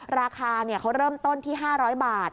ราคาเขาเริ่มต้นที่๕๐๐บาท